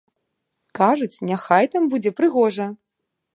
Кажуць, няхай там будзе прыгожа.